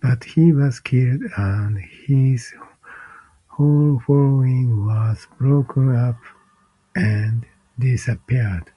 But he was killed and his whole following was broken up and disappeared.